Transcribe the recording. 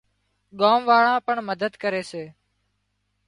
ڳام واۯان پڻ مدد ڪري سي